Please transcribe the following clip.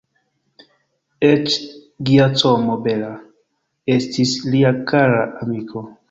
Eĉ Giacomo Balla, estis lia kara amiko.